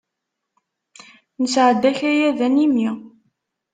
Nesɛedda akayad animi.